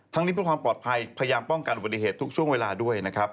นี้เพื่อความปลอดภัยพยายามป้องกันอุบัติเหตุทุกช่วงเวลาด้วยนะครับ